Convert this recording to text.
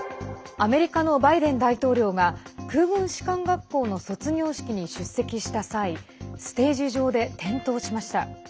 アメリカのバイデン大統領が空軍士官学校の卒業式に出席した際ステージ上で転倒しました。